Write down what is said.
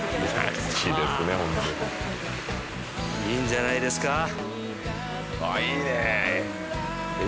いいんじゃないですか？